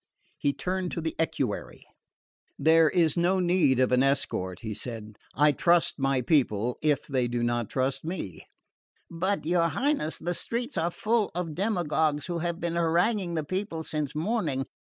He turned to the equerry. "There is no need of an escort," he said. "I trust my people if they do not trust me." "But, your Highness, the streets are full of demagogues who have been haranguing the people since morning.